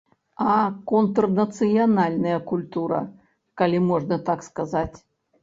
А контрнацыянальная культура, калі можна так сказаць?